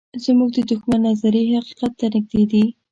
زموږ د دښمن نظریې حقیقت ته نږدې دي.